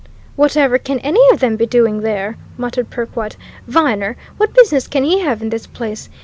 "Whatever can any of them be doing there!" muttered Perkwite. "Viner! What business can he have in this place?